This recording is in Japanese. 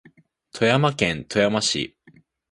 富山県富山市